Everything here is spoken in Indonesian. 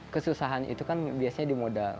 kesusahan itu kan biasanya di modal